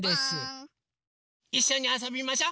いっしょにあそびましょ。